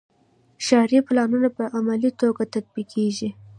ښاري پلانونه په عملي توګه تطبیقیږي.